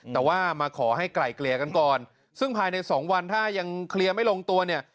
แต่ว่ามาขอให้ไกลเกลี่ยกันก่อนซึ่งภายในสองวันถ้ายังเคลียร์ไม่ลงตัวเนี่ย